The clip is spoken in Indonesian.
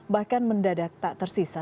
bahkan mendadak tak tersisa